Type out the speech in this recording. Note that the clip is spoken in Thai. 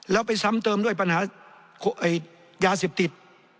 แล้วไปซ้ำเติมด้วยปัญหายาเสพติด